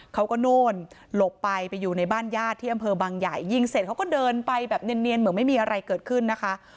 เขาก็โน่นหลบไปไปอยู่ในบ้านญาติที่อำเภอบางใหญ่ยิงเสร็จเขาก็เดินไปแบบเนียนเหมือนไม่มีอะไรเกิดขึ้นนะคะ